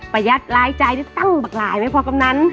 ประยัดรายใจจะตั้งบังหลายไหมพ่อกำนัน